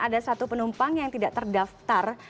ada satu penumpang yang tidak terdaftar